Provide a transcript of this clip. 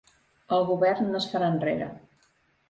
El govern no es farà enrere